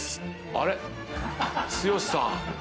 あれっ？剛さん。